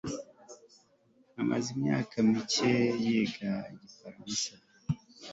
amaze imyaka mike yiga igifaransa